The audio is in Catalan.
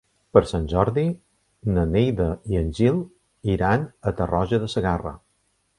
Per Sant Jordi na Neida i en Gil iran a Tarroja de Segarra.